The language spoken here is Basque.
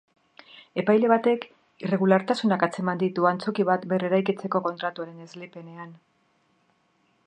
Epaile batek irregulartasunak atzeman ditu antzoki bat berreraikitzeko kontratuaren esleipenean.